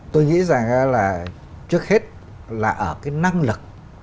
tôi nghĩ rằng là trước hết là ở cái năng lực